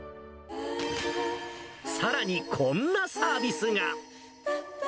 さらに、こんなサービスが。